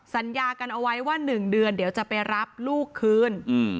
สัญญากันเอาไว้ว่า๑เดือนเดี๋ยวจะไปรับลูกคืน